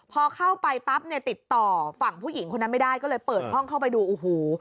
พอเข้าไปปั๊บเนี่ยติดต่อฝั่งผู้หญิงคนนั้นไม่ได้ก็เลยเปิดห้องเข้าไปดูโอ้โห